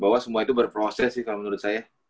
bahwa semua itu berproses sih kalau menurut saya